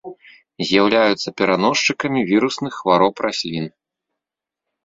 З'яўляюцца пераносчыкамі вірусных хвароб раслін.